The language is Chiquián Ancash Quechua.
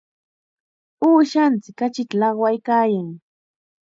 Uushanchik kachita llaqwaykaayan.